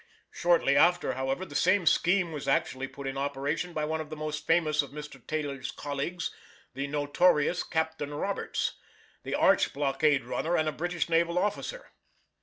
Shortly after, however, the same scheme was actually put in operation by one of the most famous of Mr. Taylor's colleagues, the "notorious Captain Roberts," the arch blockade runner and a British naval officer.